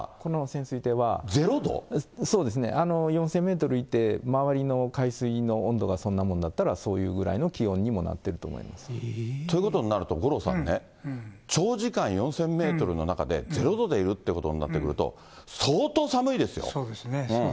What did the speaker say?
そうですね、４０００メートルにいて、周りの海水の温度がそんなものだったら、そういうような気温にもということになると、五郎さんね、長時間４０００メートルの中で０度でいるってことにそうですね。